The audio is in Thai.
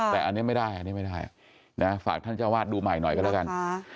แต่อันนี้ไม่ได้ฝากท่านเจ้าวาดดูใหม่หน่อยก็แล้วกัน